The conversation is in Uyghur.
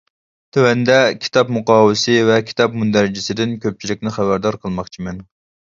تۆۋەندە كىتاب مۇقاۋىسى ۋە كىتاب مۇندەرىجىسىدىن كۆپچىلىكنى خەۋەردار قىلماقچىمەن.